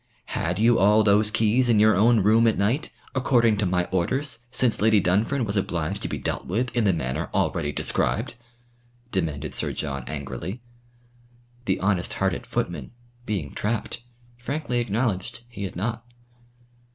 "Had you all those keys in your own room at night, according to my orders since Lady Dunfern was obliged to be dealt with in the manner already described?" demanded Sir John angrily. The honest hearted footman, being trapped, frankly acknowledged he had not.